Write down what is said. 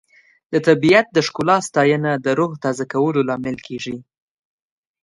د طبیعت د ښکلا ستاینه د روح تازه کولو لامل کیږي.